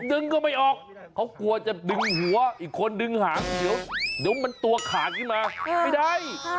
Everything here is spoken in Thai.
ดึงก็ไม่ออกเขากลัวจะดึงหัวอีกคนดึงหางเดี๋ยวมันตัวขาดขึ้นมาไม่ได้